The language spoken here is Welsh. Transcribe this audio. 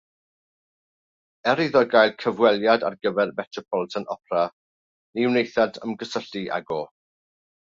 Er iddo gael clyweliad ar gyfer y Metropolitan Opera, ni wnaethant ymgysylltu ag o.